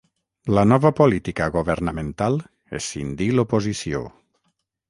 La nova política governamental escindí l'oposició.